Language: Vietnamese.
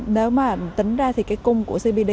nếu mà tính ra thì cái cung của cbd